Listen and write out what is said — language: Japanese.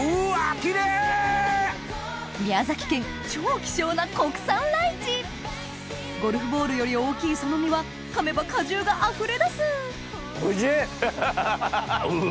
希少な国産ライチゴルフボールより大きいその実は噛めば果汁があふれ出すおいしい！